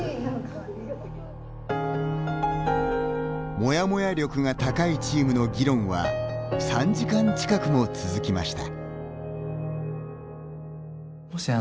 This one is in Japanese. モヤモヤ力が高いチームの議論は３時間近くも続きました。